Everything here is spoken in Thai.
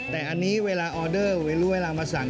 แต่อันนี้เวลาออเดอร์เวลามาสั่ง